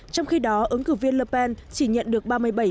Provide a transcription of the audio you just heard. trong khi đó ứng cử viên le pen chỉ nhận được ba mươi bảy